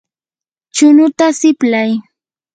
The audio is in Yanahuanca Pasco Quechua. chunuta siplay.